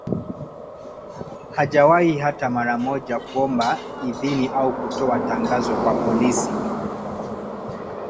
Hawajawahi hata mara moja kuomba idhini au kutoa tangazo kwa polisi